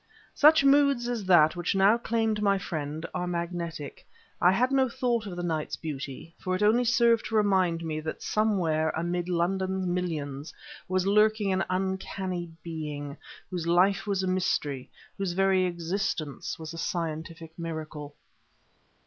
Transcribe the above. Such moods as that which now claimed my friend are magnetic. I had no thought of the night's beauty, for it only served to remind me that somewhere amid London's millions was lurking an uncanny being, whose life was a mystery, whose very existence was a scientific miracle.